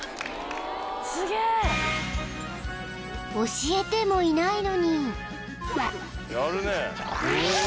［教えてもいないのに］